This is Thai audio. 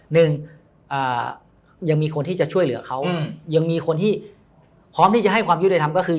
หนึ่งยังมีคนที่จะช่วยเหลือเขายังมีคนที่พร้อมที่จะให้ความยุติธรรมก็คือ